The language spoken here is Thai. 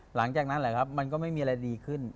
หลังจากนั้นแหละครับมันก็ไม่มีอะไรดีขึ้น